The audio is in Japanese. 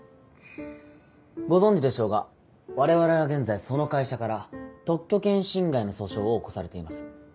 ご存じでしょうが我々は現在その会社から特許権侵害の訴訟を起こされています。